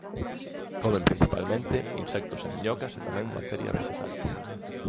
Comen principalmente insectos e miñocas e tamén materia vexetal.